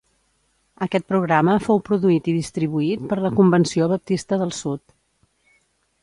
Aquest programa fou produït i distribuït per la Convenció Baptista del Sud.